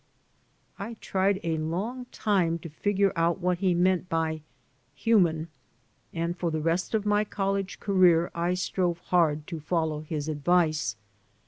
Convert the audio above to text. I tried a long time to figure out what he meant by "human," and for the rest of my college career I strove hard to follow his advice.